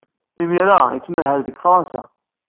Imir-a, yettmahal deg Fṛansa.